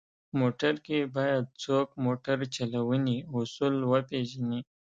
موټر کې باید څوک موټر چلونې اصول وپېژني.